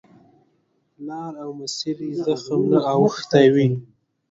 لار او مسیر یې زخم نه اوښتی وي.